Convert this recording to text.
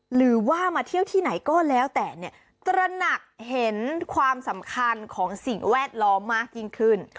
หรือว่ามาเที่ยวที่ไหนก็แล้วแต่เนี่ยตระหนักเห็นความสำคัญของสิ่งแวดล้อมมากยิ่งขึ้น